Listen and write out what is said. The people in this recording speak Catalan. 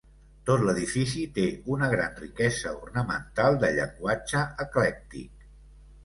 Tot l'edifici té una gran riquesa ornamental de llenguatge eclèctic.